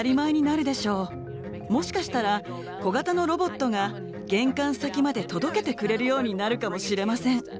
もしかしたら小型のロボットが玄関先まで届けてくれるようになるかもしれません。